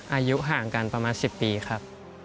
อายุห่างกันประมาณ๑๐ปีครับ